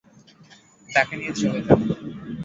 তাঁকে নিয়ে চলে যা।